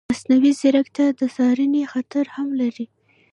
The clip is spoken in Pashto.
مصنوعي ځیرکتیا د څارنې خطر هم لري.